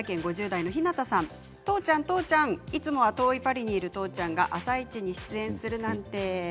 ５０代の方とうちゃん、とうちゃんいつもは遠いパリにいるとうちゃんが「あさイチ」に出演するなんて。